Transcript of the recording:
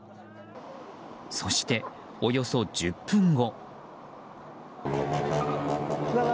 そして、およそ１０分後。